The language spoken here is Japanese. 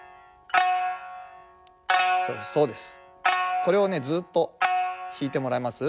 そうですそうです。